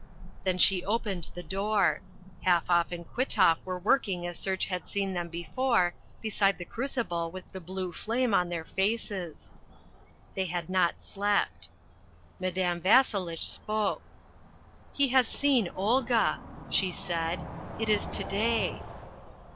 Then she opened the door. Halfoff and Kwitoff were working as Serge had seen them before, beside the crucible with the blue flame on their faces. They had not slept. Madame Vasselitch spoke. "He has seen Olga," she said. "It is to day."